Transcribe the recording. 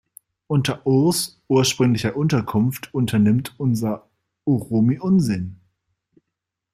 Unter Urs ursprünglicher Unterkunft unternimmt unsere Uromi Unsinn.